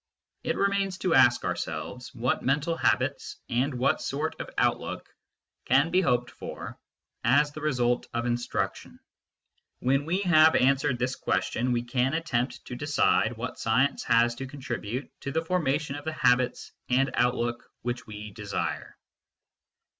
It remains to ask ourselves, what mental habits, and what sort of outlook, can be hoped for as the result of instruction ? When we have answered this question we can attempt to decide what science has to contribute to the formation of the habits and outlook which we desire.